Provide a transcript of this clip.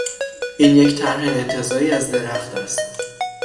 این یک طرح انتزاعی از درخت است